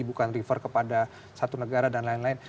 bukan refer kepada satu negara dan lain lain